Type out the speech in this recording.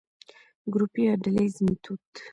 ګروپي يا ډلييز ميتود: